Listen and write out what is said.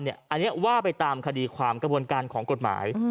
อันนี้ว่าไปตามคดีความกระบวนการของกฎหมาย